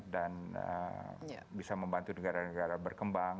dan bisa membantu negara negara berkembang